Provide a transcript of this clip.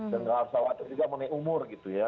dan tidak usah khawatir juga mengenai umur gitu ya